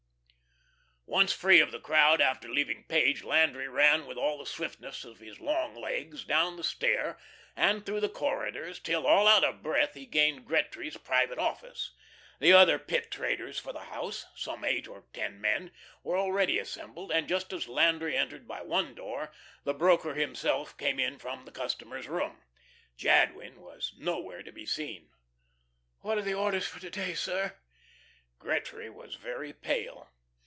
Once free of the crowd after leaving Page, Landry ran with all the swiftness of his long legs down the stair, and through the corridors till, all out of breath, he gained Gretry's private office. The other Pit traders for the house, some eight or ten men, were already assembled, and just as Landry entered by one door, the broker himself came in from the customers' room. Jadwin was nowhere to be seen. "What are the orders for to day, sir?" Gretry was very pale.